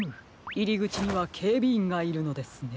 いりぐちにはけいびいんがいるのですね。